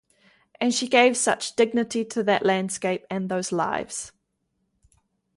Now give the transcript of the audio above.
And she gave such dignity to that landscape and those lives.